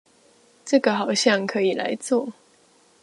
這個好像可以來做